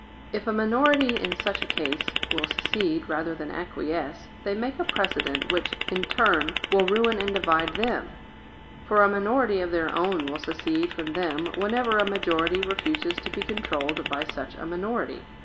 If a minority in such a case will secede rather than acquiesce, they make a precedent which, in turn, will ruin and divide them, for a minority of their own will secede from them whenever a majority refuses to be controlled by such a minority.